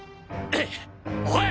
おい！